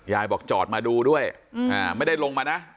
ยายบอกจอดมาดูด้วยอืมอ่าไม่ได้ลงมานะค่ะ